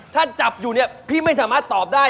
ถ้าจับอยู่เนี่ยพี่ไม่สามารถตอบได้